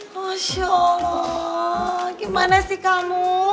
musya allah gimana sih kamu